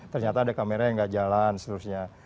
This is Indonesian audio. ternyata ada kamera yang nggak jalan seterusnya